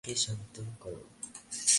মনকে শান্ত করো।